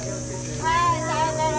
はいさようなら。